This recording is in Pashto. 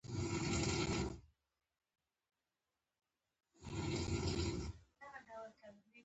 د دیني روحیې تر پوښښ لاندې.